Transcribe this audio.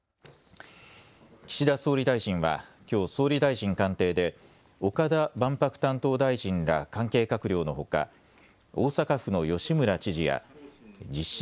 岸田総理大臣はきょう総理大臣官邸で岡田万博担当大臣ら関係閣僚のほか大阪府の吉村知事や実施